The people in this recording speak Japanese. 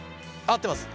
合ってます。